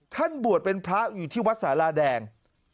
ท่านบวชเป็นพระอยู่ที่วัดสาราแดง